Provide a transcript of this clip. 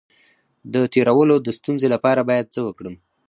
د تیرولو د ستونزې لپاره باید څه وکړم؟